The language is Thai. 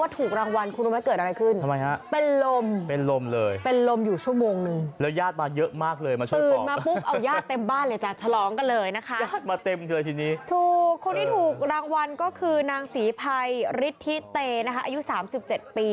ถูกคนที่ถูกรางวัลก็คือนางศรีภัยฤทธิเตย์อายุ๓๗ปี